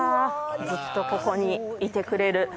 ずっとここにいてくれる。